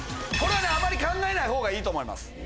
これはあまり考えないほうがいいと思います。